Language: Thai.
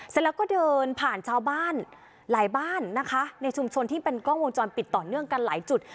เสร็จแล้วก็เดินผ่านชาวบ้านหลายบ้านนะคะในชุมชนที่เป็นกล้องวงจรปิดต่อเนื่องกันหลายจุด